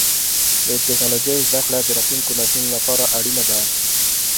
د ټکنالوجۍ زدهکړه د راتلونکو نسلونو لپاره اړینه ده.